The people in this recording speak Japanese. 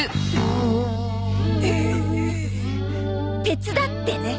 手伝ってね。